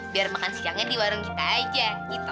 biar makan siangnya di warung kita aja gitu